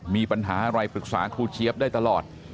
มีปัญหาอะไรปรึกษาครูเจี๊ยบได้ตลอด